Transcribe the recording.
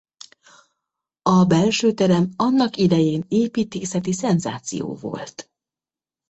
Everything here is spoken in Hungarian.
A belső terem annak idején építészeti szenzáció volt.